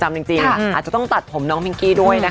แต่ถ้าไปทั้งนิมิติอาจต้องตัดผมของน้องผิ้งกี้ด้วยนะคะ